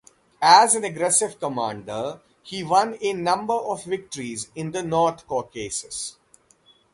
As an aggressive commander, he won a number of victories in the north Caucasus.